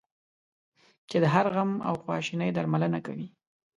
چې د هر غم او خواشینی درملنه کوي.